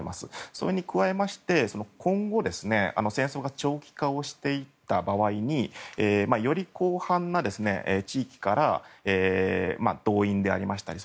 それに加えまして、今後戦争が長期化をしていった場合により広範な地域から動員でありましたり